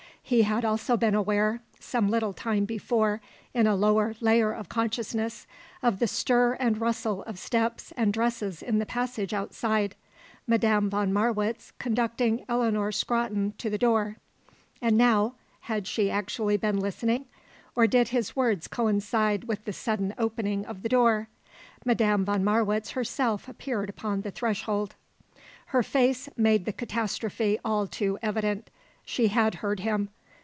He had also been aware, some little time before, in a lower layer of consciousness, of the stir and rustle of steps and dresses in the passage outside Madame von Marwitz conducting Eleanor Scrotton to the door. And now had she actually been listening, or did his words coincide with the sudden opening of the door? Madame von Marwitz herself appeared upon the threshold. Her face made the catastrophe all too evident. She had heard him.